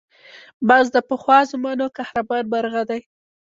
باز د پخوا زمانو قهرمان مرغه دی